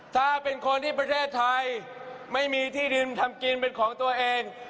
ถ้าเป็นคนที่ประเทศไทยไม่มีที่ดินทำกินเป็นของตัวเอง